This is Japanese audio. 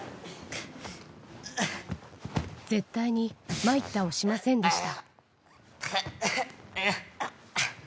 絶対に参ったをしませんでした。